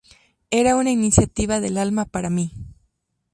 Es una iniciativa del alma para mí".